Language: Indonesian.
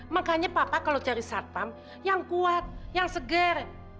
makanya papa kalau cari sarpam yang kuat yang segar